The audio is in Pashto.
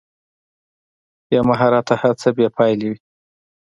بې مهارته هڅه بې پایلې وي.